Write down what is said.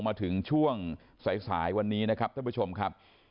มาถึงช่วงสายวันนี้นะครับท่านผู้ชมครับ